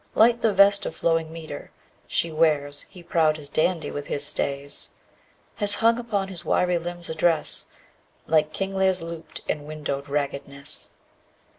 Light the vest of flowing metre She wears; he, proud as dandy with his stays, Has hung upon his wiry limbs a dress Like King Lear's 'looped and windowed raggedness.'